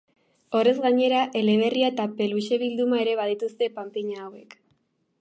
Horrez gainera, eleberria eta peluxe bilduma ere badituzte panpina hauek.